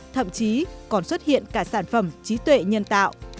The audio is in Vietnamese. thậm chí còn xuất hiện cả sản phẩm trí tuệ nhân tạo